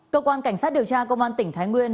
cảnh sát địa tra công an tỉnh thái nguyên